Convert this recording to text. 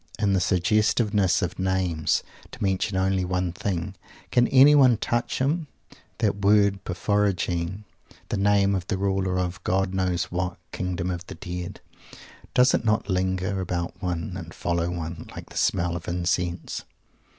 In the suggestiveness of names to mention only one thing can anyone touch him? That word "Porphyrogene" the name of the Ruler of, God knows what, Kingdom of the Dead does it not linger about one and follow one like the smell of incense?